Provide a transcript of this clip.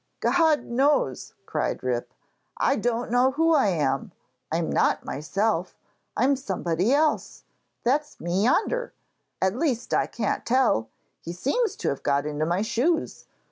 'God knows,' cried Rip; 'I don't know who I am. I'm not myself. I'm somebody else that's me yonder at least I can't tell; he seems to have got into my shoes.